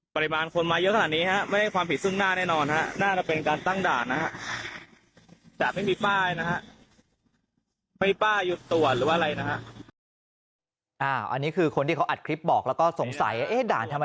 ปริมาณคนมาเยอะขนาดนี้นะครับ